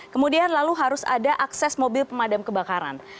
kemudian lalu harus ada akses mobil pemadam kebakaran